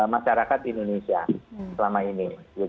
masyarakat indonesia selama ini